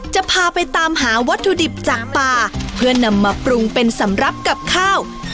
จะพาไปตามหาวัตถุดิบจากป่าเพื่อนำมาปรุงเป็นสำหรับกับข้าว